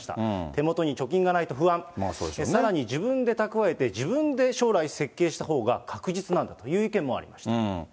手もとに貯金がないと不安、さらに自分で蓄えて自分で将来設計したほうが確実なんだという意見もありました。